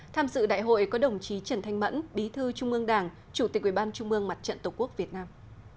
tham dự đại hội có đồng chí trần thanh mẫn bí thư trung ương đảng chủ tịch ubnd mặt trận tổ quốc việt nam